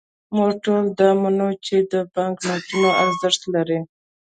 موږ ټول دا منو، چې دا بانکنوټونه ارزښت لري.